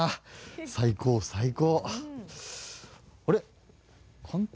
最高最高。